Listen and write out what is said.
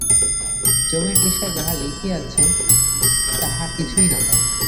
জমির বিষয় যাহা লিখিয়াছ, তাহা কিছুই নহে।